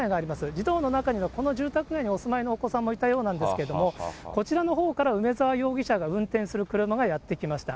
児童の中にはこの住宅街にお住まいのお子さんもいたようなんですけれども、こちらのほうから梅沢容疑者が運転する車がやって来ました。